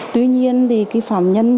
tuy nhiên phạm nhân